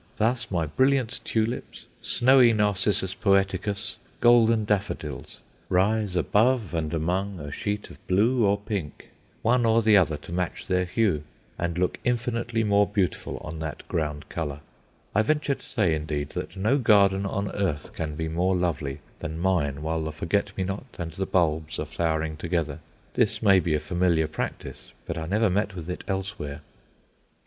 Thus my brilliant tulips, snowy narcissus poeticus, golden daffodils, rise above and among a sheet of blue or pink one or the other to match their hue and look infinitely more beautiful on that ground colour. I venture to say, indeed, that no garden on earth can be more lovely than mine while the forget me not and the bulbs are flowering together. This may be a familiar practice, but I never met with it elsewhere.